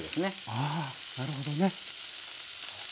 あなるほどね。